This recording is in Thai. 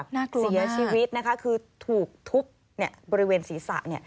น่ากลัวเสียชีวิตนะคะคือถูกทุบบริเวณศีรษะ